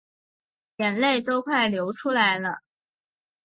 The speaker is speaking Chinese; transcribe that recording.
眼泪都快流出来了